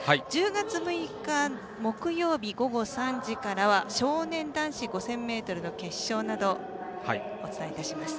１０月６日木曜日午後３時からは少年男子５０００ｍの決勝などお伝えします。